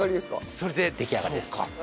それで出来上がりです。